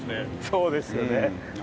そうですよね。